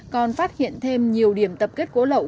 còn phát hiện thêm nhiều điểm tập kết gỗ lậu